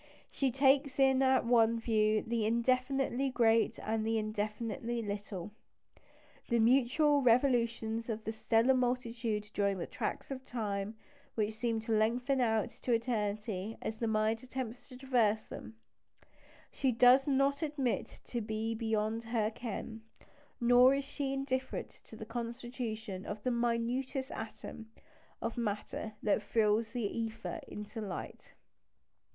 She takes in at one view the indefinitely great and the indefinitely little. The mutual revolutions of the stellar multitude during tracts of time which seem to lengthen out to eternity as the mind attempts to traverse them, she does not admit to be beyond her ken; nor is she indifferent to the constitution of the minutest atom of matter that thrills the ether into light.